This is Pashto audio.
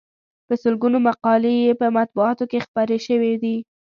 په سلګونو مقالې یې په مطبوعاتو کې خپرې شوې دي.